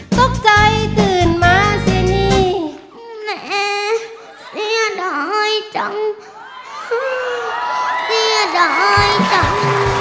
ตกใจตื่นมาสินี่แหมเสียดายจังเสียดายกัน